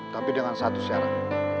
tapi dengan satu syarat